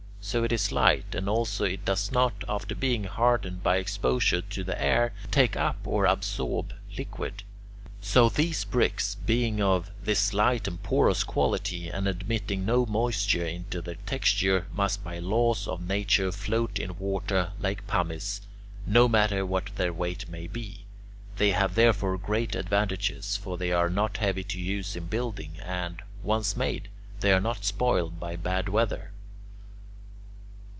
So it is light, and also it does not, after being hardened by exposure to the air, take up or absorb liquid. So these bricks, being of this light and porous quality, and admitting no moisture into their texture, must by the laws of nature float in water, like pumice, no matter what their weight may be. They have therefore great advantages; for they are not heavy to use in building and, once made, they are not spoiled by bad weather.